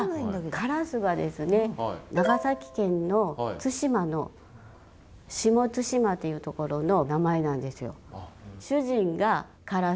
唐洲はですね長崎県の対馬の下対馬っていうところの名前なんですよ。